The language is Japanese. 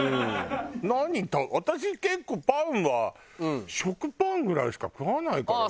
何私結構パンは食パンぐらいしか食わないからな。